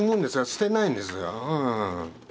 捨てないんですよ。